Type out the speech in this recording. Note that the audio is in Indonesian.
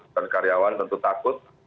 dan karyawan tentu takut